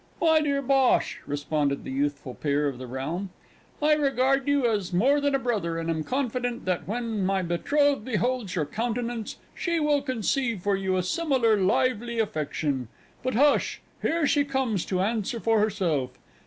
"My dear Bhosh," responded the youthful peer of the realm, "I regard you as more than a brother, and am confident that when my betrothed beholds your countenance, she will conceive for you a similar lively affection. But hush! here she comes to answer for herself....